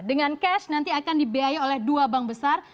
dengan cash nanti akan dibiayai oleh dua bank besar